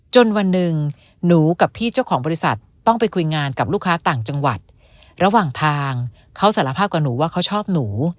วันหนึ่งหนูกับพี่เจ้าของบริษัทต้องไปคุยงานกับลูกค้าต่างจังหวัดระหว่างทางเขาสารภาพกับหนูว่าเขาชอบหนู